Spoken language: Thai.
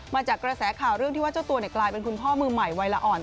มาจากกระแสข่าวเรื่องที่ว่าเจ้าตัวกลายเป็นคุณพ่อมือใหม่วัยละอ่อน